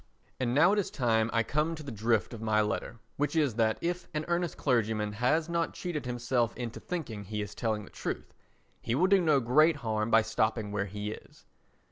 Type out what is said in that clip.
And now it is time I came to the drift of my letter, which is that if "An Earnest Clergyman" has not cheated himself into thinking he is telling the truth, he will do no great harm by stopping where he is.